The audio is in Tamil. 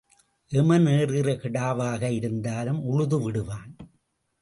எமன் ஏறுகிற கிடாவாக இருந்தாலும் உழுது விடுவான்.